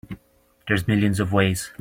There's millions of ways.